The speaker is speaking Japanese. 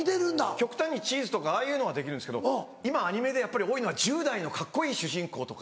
極端にチーズとかああいうのはできるんですけど今アニメで多いのは１０代のカッコいい主人公とか。